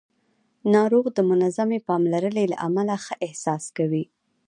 ناروغ د منظمې پاملرنې له امله ښه احساس کوي